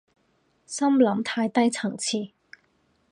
心諗太低層次